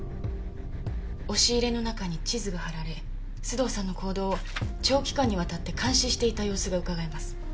押し入れの中に地図が貼られ須藤さんの行動を長期間にわたって監視していた様子がうかがえます。